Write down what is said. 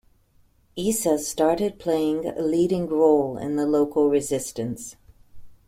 Isa started playing a leading role in the local resistance.